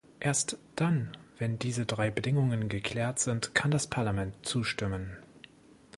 Erst dann, wenn diese drei Bedingungen geklärt sind, kann das Parlament zustimmen.